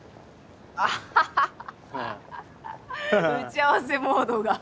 アッハハ打ち合わせモードが。